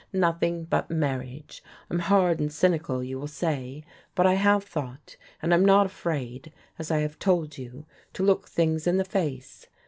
Nothing but marriage. I'm hard and cynical, you will say, but I have thought, and I'm not afraid, as I have told you, to look things in the face.